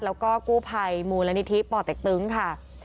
แล้วก็กู้ภัยมูลนิธิป่อเต็กตึงค่ะ